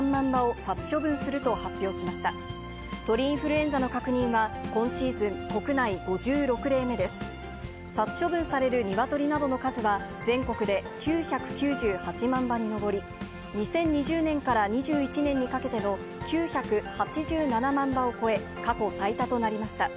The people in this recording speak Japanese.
殺処分されるニワトリなどの数は、全国で９９８万羽に上り、２０２０年から２１年にかけての９８７万羽を超え、過去最多となりました。